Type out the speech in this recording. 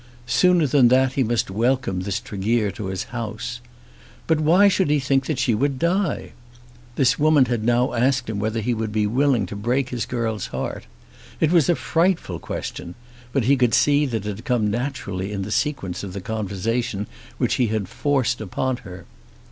Sooner than that, he must welcome this Tregear to his house. But why should he think that she would die? This woman had now asked him whether he would be willing to break his girl's heart. It was a frightful question; but he could see that it had come naturally in the sequence of the conversation which he had forced upon her.